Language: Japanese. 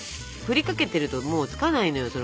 ふりかけてるともうつかないのよ。